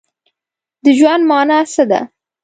د ژوند مانا څه ده؟